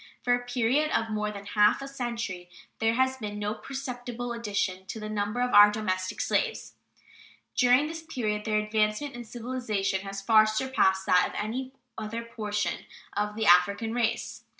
For a period of more than half a century there has been no perceptible addition to the number of our domestic slaves. During this period their advancement in civilization has far surpassed that of any other portion of the African race.